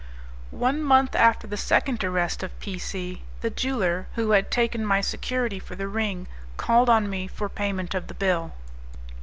One month after the second arrest of P C , the jeweller, who had taken my security for the ring, called on me for payment of the bill.